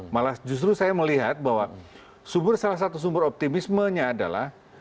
malah justru saya melihat bahwa salah satu sumber optimismenya adalah